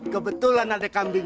kebetulan ada kambing